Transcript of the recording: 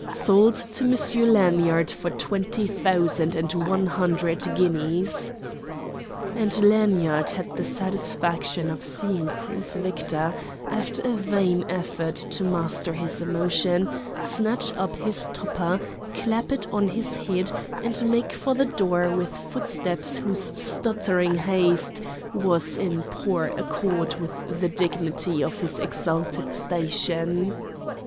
Sold to Monsieur Lanyard for twenty thousand and one hundred guineas!" And Lanyard had the satisfaction of seeing Prince Victor, after a vain effort to master his emotion, snatch up his topper, clap it on his head, and make for the door with footsteps whose stuttering haste was in poor accord with the dignity of his exalted station.